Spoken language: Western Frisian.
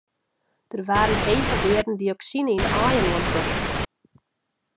Der waarden hege wearden dioksine yn de aaien oantroffen.